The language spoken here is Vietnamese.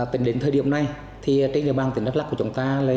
tính đến thời điểm này thì trên địa bàn tỉnh đắk lắc của chúng ta